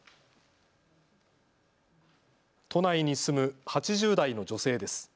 都内に住む８０代の女性です。